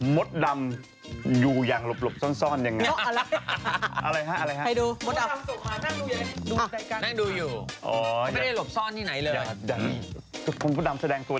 มดดำอยู่อย่างหลบซ่อนยังไง